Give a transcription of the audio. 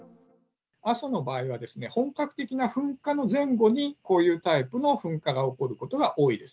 阿蘇の場合は、本格的な噴火の前後に、こういうタイプの噴火が起こることが多いです。